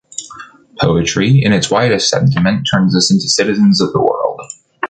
Poetry, in its widest sentiment, turn us into citizens of the world.